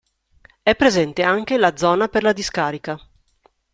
È presente anche la "zona" per la discarica.